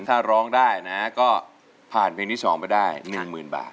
ถ้าร้องได้นะก็ผ่านเพลงที่๒ไปได้๑๐๐๐บาท